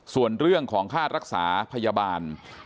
ส่วนเรื่องของค่ารักษาพยาบาล